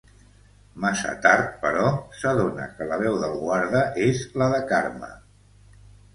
Massa tard, però, s'adona que la veu del guarda és la de Karma.